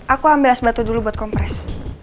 aku ambil es batu dulu buat kompres